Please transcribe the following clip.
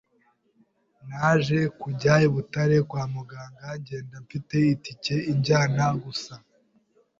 Naje kujya I Butare kwa muganga ngenda mfite itike injyana gusa,